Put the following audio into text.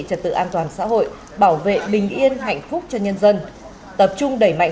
trật tự an toàn xã hội bảo vệ bình yên hạnh phúc cho nhân dân tập trung đẩy mạnh